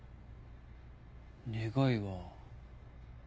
願いは。